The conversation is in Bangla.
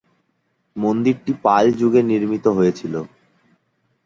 মন্দিরটি পাল যুগে নির্মিত হয়েছিল।